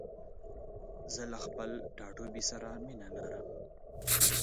زه له خپل ټاټوبي سره مينه لرم.